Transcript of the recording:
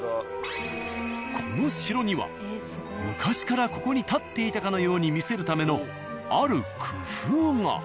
この城には昔からここに建っていたかのように見せるためのある工夫が。